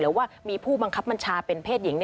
หรือว่ามีผู้บังคับบัญชาเป็นเพศหญิง